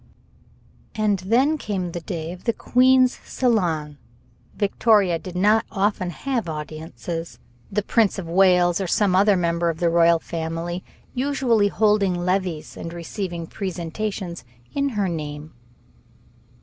And then came the day of the queen's salon. Victoria did not often have audiences, the Prince of Wales or some other member of the royal family usually holding levees and receiving presentations in her name.